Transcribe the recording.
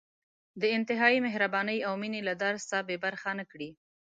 د انتهايي مهربانۍ او مېنې له درس بې برخې نه کړي.